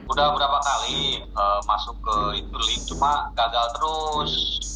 sudah beberapa kali masuk ke interlink cuma gagal terus